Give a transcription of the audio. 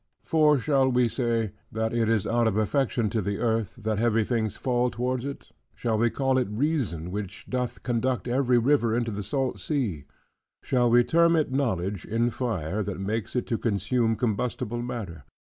For shall we say, that it is out of affection to the earth, that heavy things fall towards it? Shall we call it reason, which doth conduct every river into the salt sea? Shall we term it knowledge in fire, that makes it to consume combustible matter?